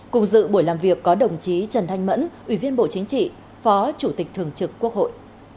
cùng dự buổi làm việc có đồng chí trần thanh mẫn ủy viên bộ chính trị phó chủ tịch thường trực quốc hội